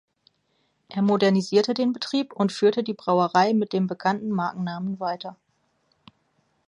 Er modernisierte den Betrieb und führte die Brauerei mit dem bekannten Markennamen weiter.